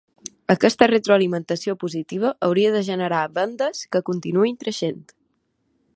Aquesta retroalimentació positiva hauria de generar vendes que continuïn creixent.